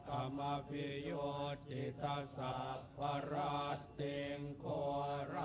กัมพิโยทิตะสัพพระติงโคระ